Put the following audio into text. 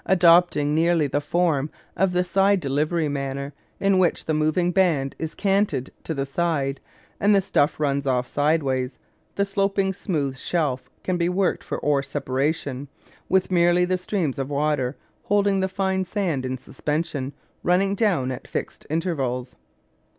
Adopting nearly the form of the "side delivery manner," in which the moving band is canted to the side and the stuff runs off sideways, the sloping smooth shelf can be worked for ore separation with merely the streams of water holding the fine sand in suspension running down at fixed intervals.